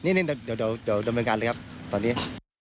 นี่เดี๋ยวดำเนินการเลยครับตอนนี้